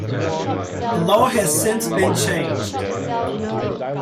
The law has since been changed.